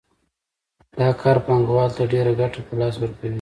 دا کار پانګوال ته ډېره ګټه په لاس ورکوي